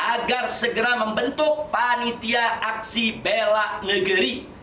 agar segera membentuk panitia aksi bela negeri